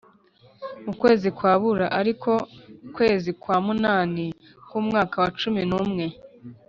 Mu kwezi kwa Bula, ari ko kwezi kwa munani k’umwaka wa cumi n’umwe